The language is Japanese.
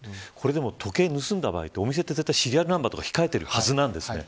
時計を盗んだ場合は、お店はシリアルナンバーとかは控えているはずです。